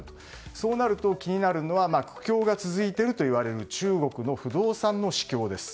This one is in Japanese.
そうなると、気になるのは苦境が続いているといわれている中国の不動産の市況です。